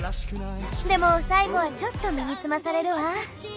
でも最後はちょっと身につまされるわ。